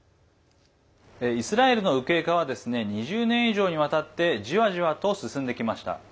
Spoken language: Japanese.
イスラエルの右傾化は２０年以上にわたってじわじわと進んできました。